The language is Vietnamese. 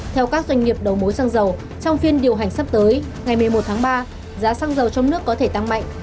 theo các doanh nghiệp đầu mối xăng dầu trong phiên điều hành sắp tới ngày một mươi một tháng ba giá xăng dầu trong nước có thể tăng mạnh